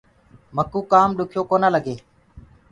مڪوُ ڪآم ڏکيو ڪونآ لگي۔